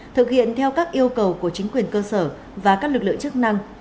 thực hiện theo các yêu cầu của chính quyền cơ sở và các lực lượng chức năng